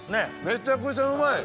めちゃくちゃうまい！